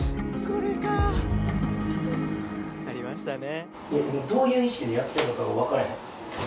これかありましたね。